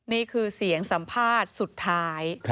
นี่คือเสียงสัมภาษณ์สุดท้าย